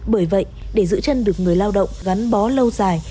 bởi vậy để giữ chân được người lao động gắn bó lâu dài